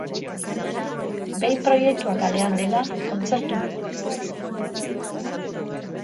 Behin proiektua kalean dela, kontzertu bira berezia egingo dute.